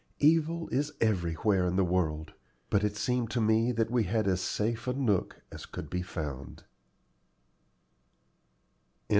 Evil is everywhere in the world, but it seemed to me that we had as safe a nook as could be found.